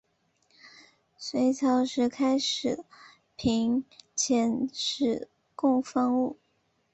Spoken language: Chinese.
隋朝时开始频遣使贡方物。